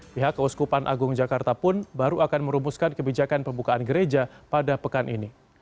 pihak keuskupan agung jakarta pun baru akan merumuskan kebijakan pembukaan gereja pada pekan ini